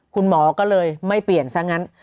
คุณหมอก็เลยไม่เปลี่ยนซะงั้น